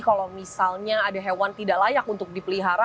kalau misalnya ada hewan tidak layak untuk dipelihara